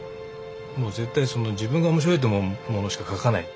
もう絶対自分が面白いと思うものしか描かない。